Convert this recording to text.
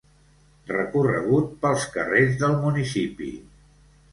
Recorregut pels carrers del municipi.